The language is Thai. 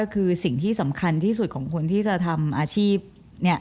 คือสิ่งที่สำคัญที่สุดของคนที่จะทำอาชีพ